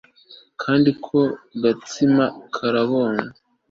kandi ako gatsima karaboze